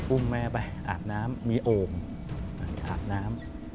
อุ้มแม่ไปอาบน้ำมีโอ่งอาบน้ำ